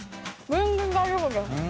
全然大丈夫です。